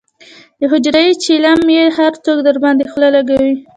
دحجرې چیلم یې هر څوک درباندې خله لکوي.